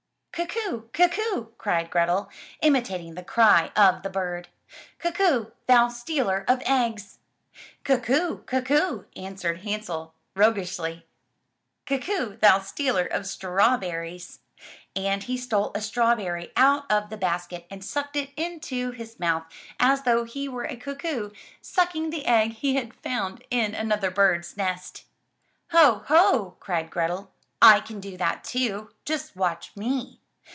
"Cuck oo! Cuck oo!*' cried Grethel, imitating the cry of the bird. "Cuck oo, thou stealer of eggs! "Cuck oo! Cuck oo!*' answered Hansel roguishly. '*Cuck oo, thou stealer of strawherriesr And he stole a strawberry out of the basket and sucked it into his mouth as though he were a cuckoo sucking the tgg he had found in another bird's nest. "Ho! Ho! cried Grethel, "I can do that too! Just watch me!